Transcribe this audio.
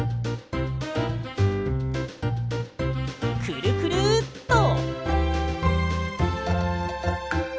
くるくるっと。